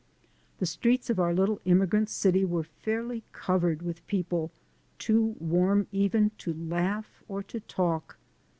The streets of our little immigrant city were fairly covered with people too warm even to laugh or to talk.